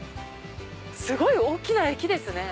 すごい大きな駅ですね。